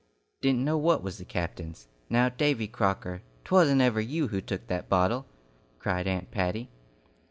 "Didn't know what was the captain's? Now, Davy Crocker, 'twasn't ever you who took that bottle?" cried Aunt Patty.